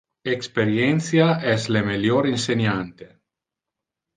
Experientia es le melior inseniante.